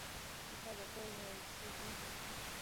其下的波纹是东平湖。